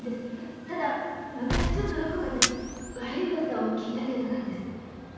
ただ昔ちょっとどこかで悪い噂を聞いた程度なんです。